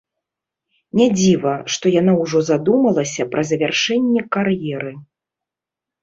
Не дзіва, што яна ўжо задумалася пра завяршэнне кар'еры.